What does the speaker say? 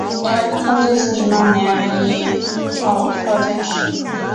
康熙四十八年己丑科进士。